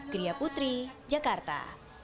gria putri jakarta